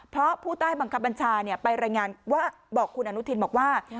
เพราะผู้ใต้บังคับบัญชาไปรายงานว่าบอกคุณอนุทินบอกว่า